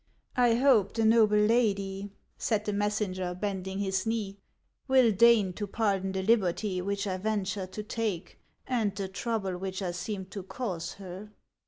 " I hope the noble lady," said the messenger, bending his knee, " will deign to pardon the liberty which 1 ven ture to take and the trouble which 1 seem to cause her."